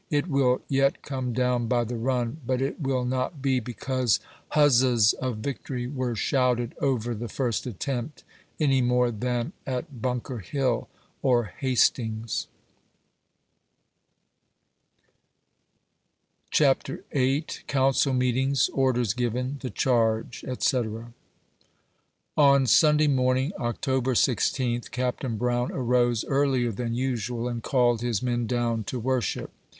It will yet come down by the run, but it will riot be because huzzas of victory were shouted over the first attempt, any more than at Bunker Hill or Hastings, 23 A VOICE IROM harpsb's ierrt. CHAPTER ¥111. COUNCIL MEETINGS ORDERS GIVEN THE CHARGE ETC. On Sunday morning, October 16th, Captain Brown arose earlier than usual, and called his men down to worship.